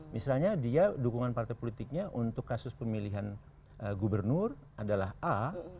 misalnya dia dukungan partai politiknya untuk kasus pemilihan gubernur adalah a